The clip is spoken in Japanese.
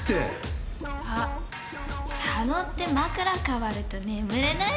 あっ佐野って枕換わると眠れないのか？